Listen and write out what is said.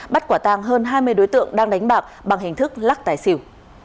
bắt quả tàng hơn hai mươi đối tượng đang đánh bạc bằng hình thức lắc tài xỉu